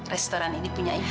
restoran ini punya ibu